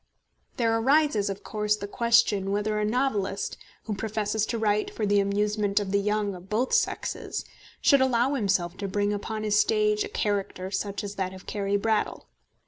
There arises, of course, the question whether a novelist, who professes to write for the amusement of the young of both sexes, should allow himself to bring upon his stage a character such as that of Carry Brattle.